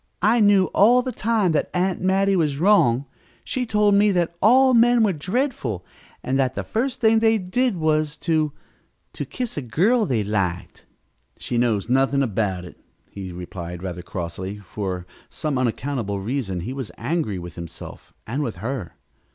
"I knew all the time that Aunt Mattie was wrong. She told me that all men were dreadful, and that the first thing they did was to to kiss a girl they liked." "She knows nothing about it," he replied rather crossly. For some unaccountable reason he was angry with himself and with her.